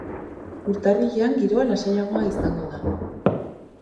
Urtarrilean giroa lasaiagoa izango da.